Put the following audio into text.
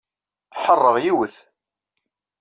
Ḥeṛṛeɣ yiwet.